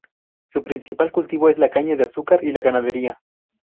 Su principal cultivo es la caña de azúcar y la ganadería.